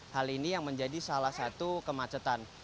hal ini yang menjadi salah satu kemacetan